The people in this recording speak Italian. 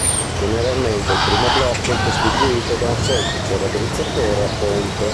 Generalmente il primo blocco è costituito da un semplice raddrizzatore a ponte.